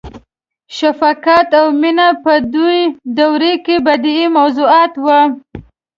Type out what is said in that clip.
• شفقت او مینه په بدوي دوره کې بدیعي موضوعات وو.